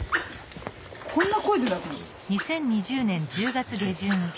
こんな声で鳴くの？